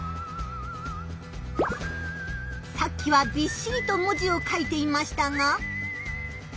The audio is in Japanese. さっきはびっしりと文字を書いていましたが。